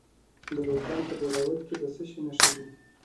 د ارزګان په دهراوود کې د څه شي نښې دي؟